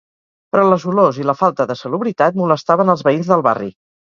Però les olors i la falta de salubritat molestaven als veïns del barri.